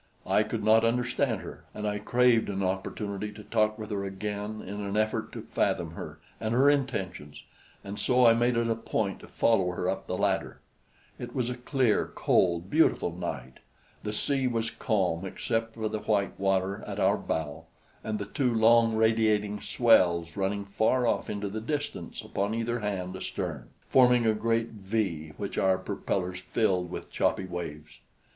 I could not understand her, and I craved an opportunity to talk with her again in an effort to fathom her and her intentions, and so I made it a point to follow her up the ladder. It was a clear, cold, beautiful night. The sea was calm except for the white water at our bows and the two long radiating swells running far off into the distance upon either hand astern, forming a great V which our propellers filled with choppy waves.